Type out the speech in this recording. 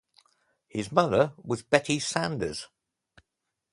His mother was Betty Sanders.